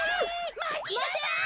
まちなさい！